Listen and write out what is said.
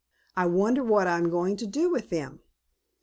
I wonder what I am to do with them?"